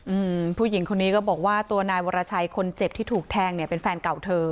อืมผู้หญิงคนนี้ก็บอกว่าตัวนายวรชัยคนเจ็บที่ถูกแทงเนี่ยเป็นแฟนเก่าเธอ